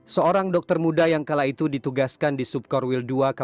seorang dokter muda yang kala itu ditugaskan di subkor wil dua kabupaten mapi